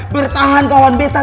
bertahan kawan betta